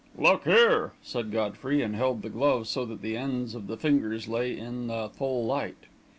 "Look here," said Godfrey, and held the glove so that the ends of the fingers lay in the full light.